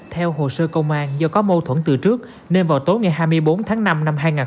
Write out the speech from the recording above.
theo hồ sơ công an do có mâu thuẫn từ trước nên vào tối ngày hai mươi bốn tháng năm năm hai nghìn hai mươi ba